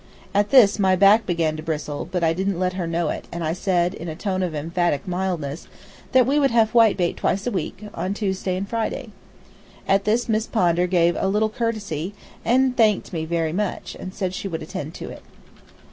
At this my back began to bristle, but I didn't let her know it, and I said, in a tone of emphatic mildness, that we would have whitebait twice a week, on Tuesday and Friday. At this Miss Pondar gave a little courtesy and thanked me very much, and said she would attend to it.